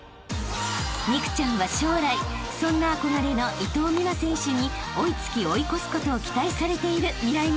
［美空ちゃんは将来そんな憧れの伊藤美誠選手に追い付き追い越すことを期待されているミライ☆モンスター］